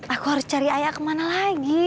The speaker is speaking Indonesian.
aku harus cari ayah kemana lagi